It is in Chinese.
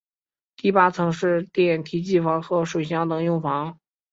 第八层是电梯机房和水箱等用房。